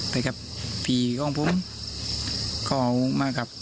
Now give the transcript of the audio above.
ไปกับพี่ของผมเขามากับ